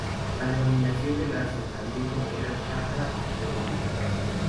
La denominación del asentamiento era Chacra de Monte.